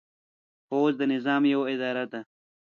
پوځ د نظام یوه اداره ده.